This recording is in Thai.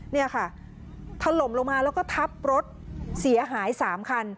นี่ค่ะถล่มลงมาแล้วก็ทับรถเสียหาย๓คัน